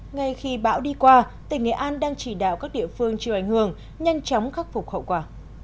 ngay khi bão đi qua tỉnh nghệ an đang chỉ đạo các địa phương chịu ảnh hưởng nhanh chóng khắc phục hậu quả